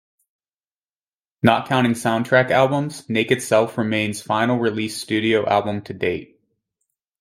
Not counting soundtrack albums, "NakedSelf" remains final released studio album to date.